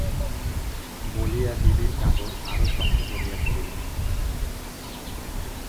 বলিয়া দিদির কাপড় আরও শক্ত করিয়া ধরিল।